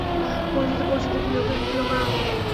মসজিদে পৌঁছে দেখি, লোকে-লোকারণ্য।